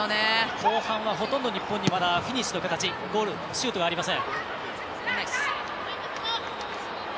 後半はほとんど日本にフィニッシュの形ゴールはありません。